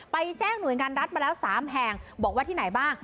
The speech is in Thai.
แจ้งหน่วยงานรัฐมาแล้ว๓แห่งบอกว่าที่ไหนบ้าง